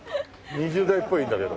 ２０代っぽいんだけど。